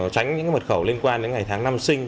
tránh những mật khẩu liên quan đến ngày tháng năm sinh